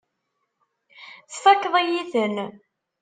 Tfakkeḍ-iyi-ten.